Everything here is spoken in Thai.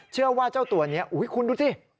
เชื่อว่าเจ้าตัวนี้คุณดูสิ